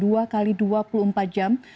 dan memberikan batas waktu dua x dua puluh empat jam